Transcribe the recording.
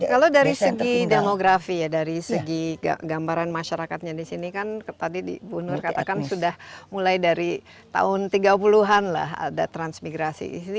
kalau dari segi demografi ya dari segi gambaran masyarakatnya di sini kan tadi bu nur katakan sudah mulai dari tahun tiga puluh an lah ada transmigrasi